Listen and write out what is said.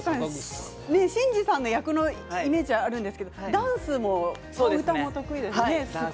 伸治さんの役のイメージがありますけどダンスも歌も得意なんですよね。